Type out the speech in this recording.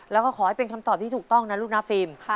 แล้วก็ขอให้เป็นคำตอบที่ถูกต้องนะลูกนะฟิล์ม